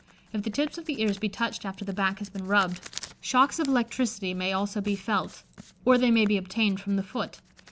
If the tips of the ears be touched after the back has been rubbed, shocks of electricity may also be felt, or they may be obtained from the foot.